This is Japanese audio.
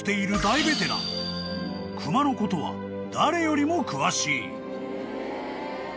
［熊のことは誰よりも詳しい］